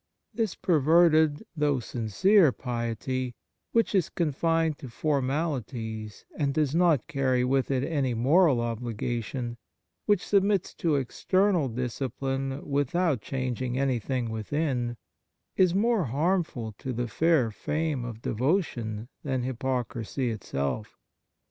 This perverted, though sincere, piety, which is confined to formalities and does not carry with it any moral 13 On Piety obligation, which submits to external discipline without changing anything within, is more harmful to the fair fame of devotion than hypocrisy itself.